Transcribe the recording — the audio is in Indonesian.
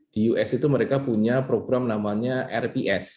di us itu mereka punya program namanya rps